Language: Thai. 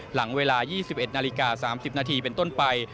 หลังเวลา๒๑นาฬิกา๓๐นาทีเป็นต้นไป